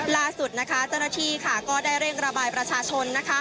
ล่าสุดนะคะเจ้าหน้าที่ก็ได้เร่งระบายประชาชน